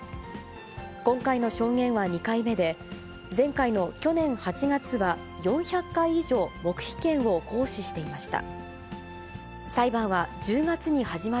今回の証言は２回目で、前回の去年８月は４００回以上黙秘権を行使していました。